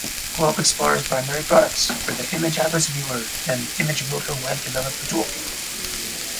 GlobeXplorer's primary products were the ImageAtlas viewer and ImageBuilder web developer toolkit.